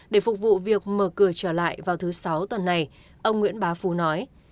để phục vụ việc mở cửa trở lại vào thứ sáu tuần này ông nguyễn bá phú nói